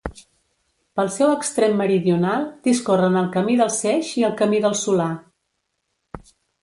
Pel seu extrem meridional discorren el Camí del Seix i el Camí del Solà.